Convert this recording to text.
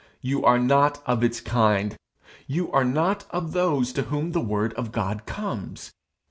You are not of its kind. You are not of those to whom the word of God comes.